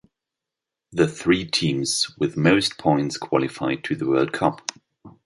The three teams with most points qualified to the World Cup.